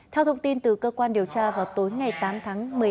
theo thông tin từ cơ quan điều tra vào tối ngày tám tháng một mươi hai